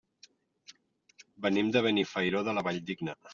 Venim de Benifairó de la Valldigna.